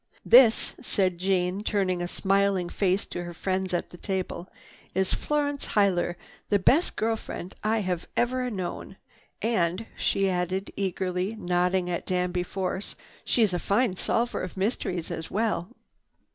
"This," said Jeanne, turning a smiling face to her friends at the table, "is Florence Huyler, the best girl friend I have ever known. And," she added, eagerly nodding at Danby Force, "she's a fine solver of mysteries as well."